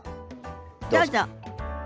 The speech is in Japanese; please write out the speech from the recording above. どうぞ。